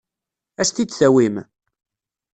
Ad as-t-id-tawim?